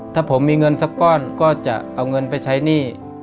ถ้าผมมีเงินสักก้อนก็จะเอาเงินไปใช้หนี้